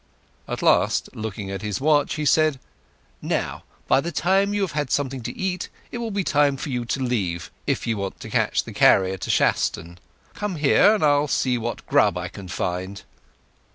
At last, looking at his watch, he said, "Now, by the time you have had something to eat, it will be time for you to leave, if you want to catch the carrier to Shaston. Come here, and I'll see what grub I can find."